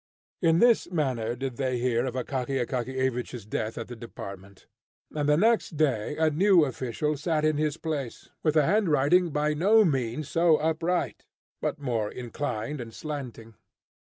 In this manner did they hear of Akaky Akakiyevich's death at the department. And the next day a new official sat in his place, with a handwriting by no means so upright, but more inclined and slanting.